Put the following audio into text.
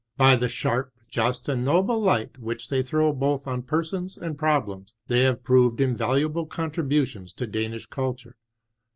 By the sharp. Just, and noble light which they throw both on persons and prob lems they have proved in^uable contribu tions to Danish culture.